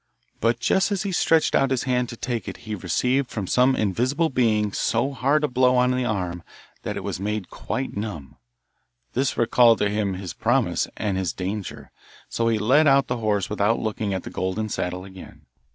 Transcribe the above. But just as he stretched out his hand to take it he received from some invisible being so hard a blow on the arm that it was made quite numb. This recalled to him his promise and his danger, so he led out the horse without looking at the golden saddle again.